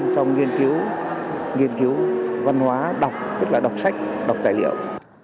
trong nghiên cứu nghiên cứu văn hóa đọc tức là đọc sách đọc tài liệu